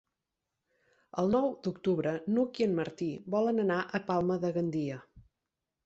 El nou d'octubre n'Hug i en Martí volen anar a Palma de Gandia.